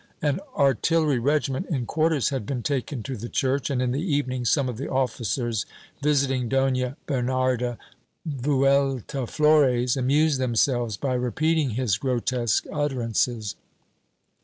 An artillery regiment in quarters had been taken to the church and, in the evening, some of the officers, visit ing Dona Bernarda Vueltaflores, amused themselves by repeating his grotesque utterances.